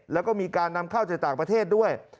แล้วก็มีการนำเข้าจากต่างประเทศด้วย